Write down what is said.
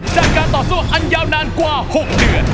จากการต่อสู้อันยาวนานกว่า๖เดือน